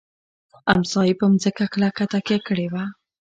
امسا یې په مځکه کلکه تکیه کړې وه.